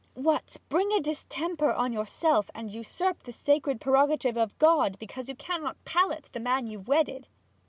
What bring a distemper on yourself, and usurp the sacred prerogative of God, because you can't palate the man you've wedded!'